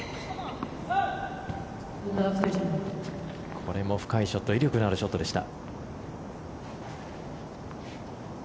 これも深いショット威力のあるショットでした。